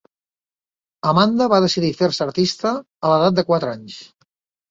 Amanda va decidir fer-se artista a l'edat de quatre anys.